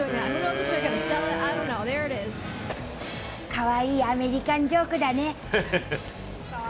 かわいいアメリカンジョークだね。